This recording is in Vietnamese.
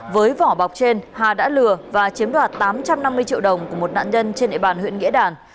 với vỏ bọc trên hà đã lừa và chiếm đoạt tám trăm năm mươi triệu đồng của một nạn nhân trên địa bàn huyện nghĩa đàn